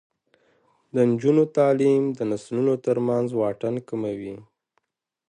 د نجونو تعلیم د نسلونو ترمنځ واټن کموي.